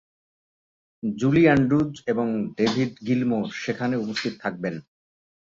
Julie Andrews এবং David Gilmour সেখানে উপস্থিত থাকবেন।